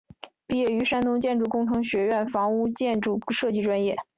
毕业于山东建筑工程学院房屋建筑设计专业。